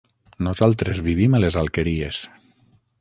Nosaltres vivim a les Alqueries.